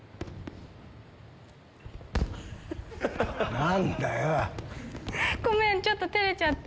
何だよ？